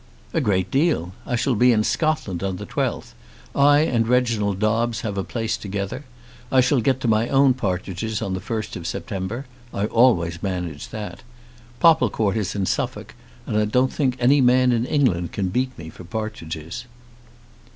"A great deal. I shall be in Scotland on the Twelfth. I and Reginald Dobbes have a place together. I shall get to my own partridges on the 1st of September. I always manage that. Popplecourt is in Suffolk, and I don't think any man in England can beat me for partridges."